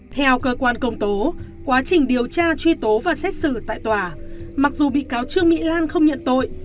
theo cơ quan công tố quá trình điều tra truy tố và xét xử tại tòa mặc dù bị cáo trương mỹ lan không nhận tội